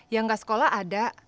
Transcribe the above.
yang gak sekolah ada